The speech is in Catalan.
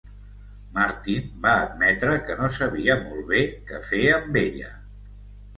Martin va admetre que no sabia molt bé què fer amb ella.